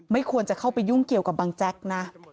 ควรจะเข้าไปยุ่งเกี่ยวกับบังแจ๊กนะ